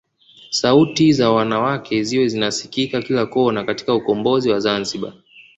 Sauti za wanawake ziwe zinasikika kila kona katika ukombozi wa Zanzibar